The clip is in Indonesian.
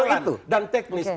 pusulan dan teknis